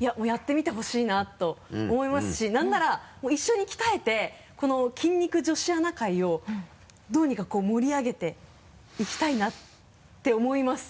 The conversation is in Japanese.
いやもうやってみてほしいなと思いますし何ならもう一緒に鍛えてこの筋肉女子アナ会をどうにかこう盛り上げていきたいなって思います。